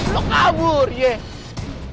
lo kabur dek